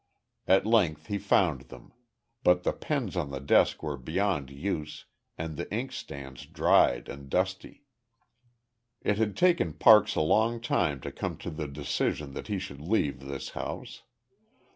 At length he found them; but the pens on the desk were beyond use, and the ink stands dried and dusty. It had taken Parks a long time to come to the decision that he should leave this house.